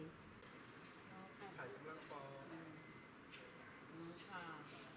หงูชา